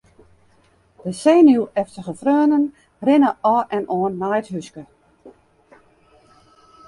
De senuweftige freonen rinne ôf en oan nei it húske.